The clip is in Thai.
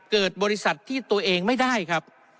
เกิดบริษัทที่ตัวเองไม่ได้ครับ